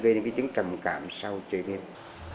thì nó gây những cái trầm cảm sau chơi game